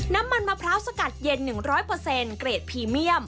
มะพร้าวสกัดเย็น๑๐๐เกรดพรีเมียม